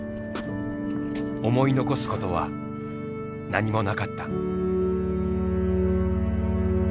思い残すことは何もなかった。